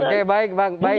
oke baik bang